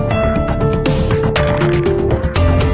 เมไดแงปี